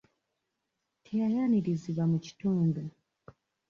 Teyayanirizibwa mu kitundu.